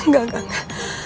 gak gak gak